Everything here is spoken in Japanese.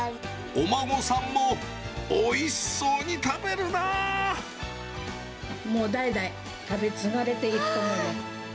お孫さんもおいしそうに食べもう代々、食べ継がれていくと思います。